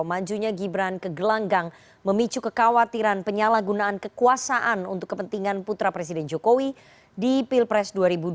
majunya gibran ke gelanggang memicu kekhawatiran penyalahgunaan kekuasaan untuk kepentingan putra presiden jokowi di pilpres dua ribu dua puluh